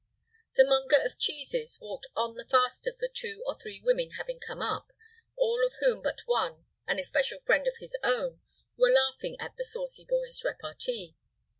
The monger of cheeses walked on all the faster for two or three women having come up, all of whom but one, an especial friend of his own, were laughing at the saucy boy's repartee.